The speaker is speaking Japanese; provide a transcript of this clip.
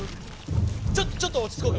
ちょちょっと落ち着こうか。